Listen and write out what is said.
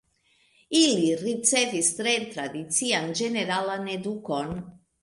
Ili ricevis tre tradician ĝeneralan edukon.